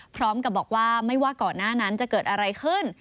พร้อมกับบอกว่าไม่ว่าก่อนหน้านั้นจะเกิดอะไรขึ้น